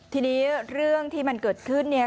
ทีนี้เรื่องที่มันเกิดขึ้นเนี่ย